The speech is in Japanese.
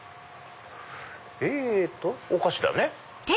えっとお菓子だね。